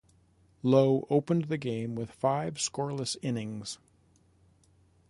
Lowe opened the game with five scoreless innings.